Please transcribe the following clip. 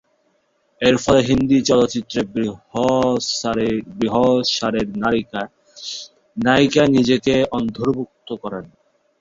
এরফলে হিন্দি চলচ্চিত্রে বৃহৎ সারির নায়িকায় নিজেকে অন্তর্ভুক্ত করেন।